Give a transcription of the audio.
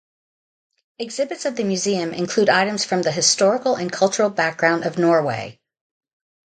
Exhibits of the museum include items from the historical and cultural background of Norway.